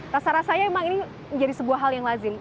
rasa rasanya emang ini menjadi sebuah hal yang lazim